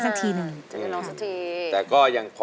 สวัสดีครับ